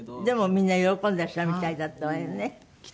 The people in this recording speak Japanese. でもみんな喜んでらっしゃるみたいだったわよね。